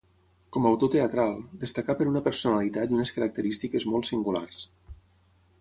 Com a autor teatral, destacà per una personalitat i unes característiques molt singulars.